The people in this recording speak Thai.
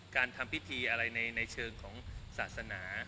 การทำพิธีอะไรในเชิงของศาสนา